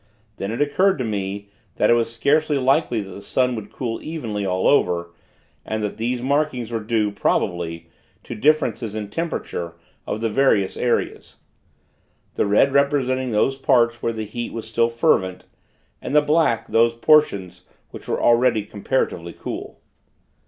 Then it occurred to me, that it was scarcely likely that the sun would cool evenly all over; and that these markings were due, probably, to differences in temperature of the various areas; the red representing those parts where the heat was still fervent, and the black those portions which were already comparatively cool.